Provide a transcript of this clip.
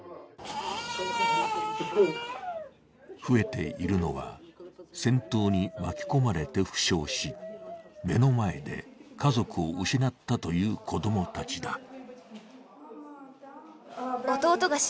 増えているのは、戦闘に巻き込まれて負傷し、目の前で家族を失ったという子供たちだ。